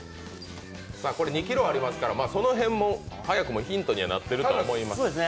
２ｋｇありますから、その辺も早くもヒントになっていると思います。